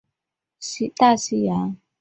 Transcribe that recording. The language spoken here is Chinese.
分布于地中海及东大西洋。